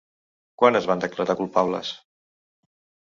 Quan es van declarar culpables?